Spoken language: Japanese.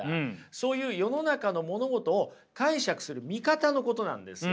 そういう世の中の物事を解釈する見方のことなんですよ。